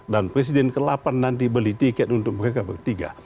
dan presiden ke delapan nanti beli tiket untuk mereka bertiga